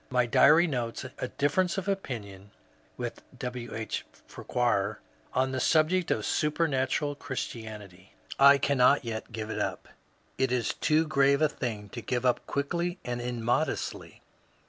My diary notes *^a difference of opinion [with W. H. Farquhar] on the subject of Supernatural Christianity. I cannot yet give it up. It is too grave a thing to give up quickly and immodestly.